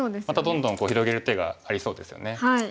またどんどん広げる手がありそうですよね。